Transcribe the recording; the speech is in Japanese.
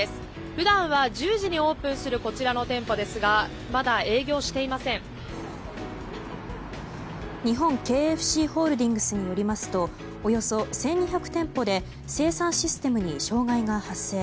普段は１０時にオープンするこちらの店舗ですがまだ営業していません。日本ＫＦＣホールディングスによりますとおよそ１２００店舗で清算システムに障害が発生。